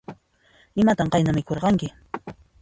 Imatan qayna mikhurqanki?